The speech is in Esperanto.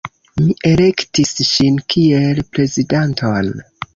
Mi elektis ŝin kiel prezidanton.